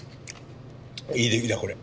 いい出来だこれ。